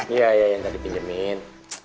iya ya yang tadi pinjemin